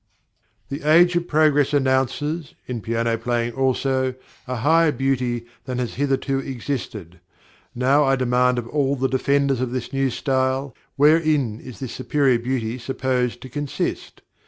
The age of progress announces, in piano playing also, "a higher beauty" than has hitherto existed. Now, I demand of all the defenders of this new style, wherein is this superior beauty supposed to consist?